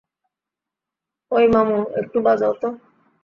ওই মামু, একটু বাজাও তো?